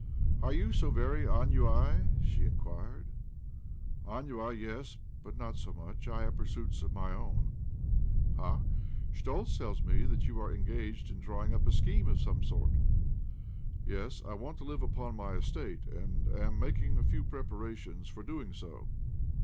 ' Are you so very ennuye? " she inquired. " Ennuye, yes'— but not much so . I have pursuits of my own." " Ah ? Schtoltz tells me that you are engaged in drawing up a scheme of some sort?" "Yes. I want to live upon my estate, and am making a few preparations for doing so."